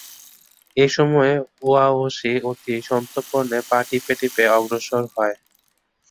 এ সময়ে ওয়াহশী অতি সন্তর্পণে পা টিপে টিপে অগ্রসর হয়।